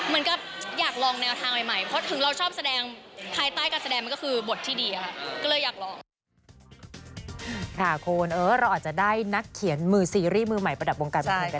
มันก็อยากลองแนวทางใหม่เพราะถึงเราชอบแสดงภายใต้การแสดงมันก็คือบทที่ดีค่ะก็เลยอยากลอง